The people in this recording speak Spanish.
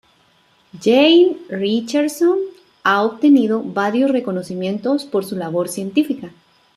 Jane Richardson ha obtenido varios reconocimientos por su labor científica.